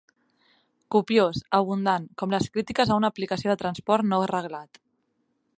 Copiós, abundant, com les crítiques a una aplicació de transport no reglat.